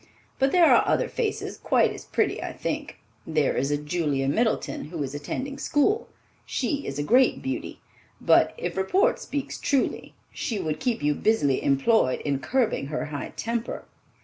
But there are other faces quite as pretty, I think. There is a Julia Middleton, who is attending school. She is a great beauty, but, if report speaks truly, she would keep you busily employed in curbing her high temper."